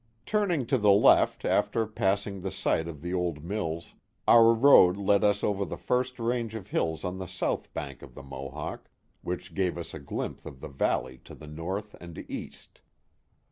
Turning to the left after passing the site of the old mills, our road led us over the first range of hills on the south bank of the Mohawk, which gave us a glimpse of the valley to the north and east.